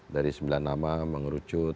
dari sembilan nama mengerucut